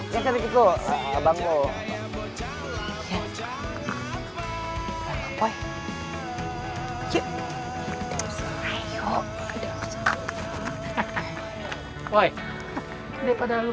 ya sabit itu abangku